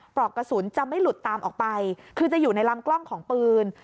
ปลอกกระสุนจะไม่หลุดตามออกไปคือจะอยู่ในลำกล้องของปืน